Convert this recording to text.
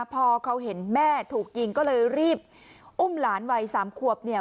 พอเขาเห็นแม่ถูกยิงก็เลยรีบอุ้มหลานวัยสามขวบเนี่ย